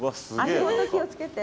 足元気を付けて。